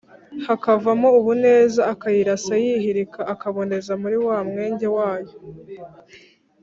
hakavamo uboneza akayirasa yihirika akaboneza muri wa mwenge wayo